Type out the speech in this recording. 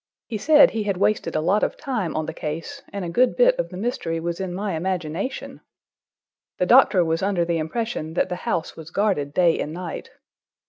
He said he had wasted a lot of time on the case, and a good bit of the mystery was in my imagination! The doctor was under the impression that the house was guarded day and night.